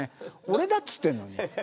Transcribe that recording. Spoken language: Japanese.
俺だって言ってるのに。